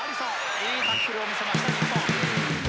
いいタックルを見せた日本。